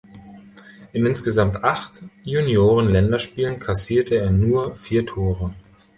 In insgesamt acht Junioren-Länderspielen kassierte er nur vier Tore.